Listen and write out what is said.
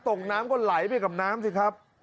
น้ำก็ไหลไปกับน้ำสิครับ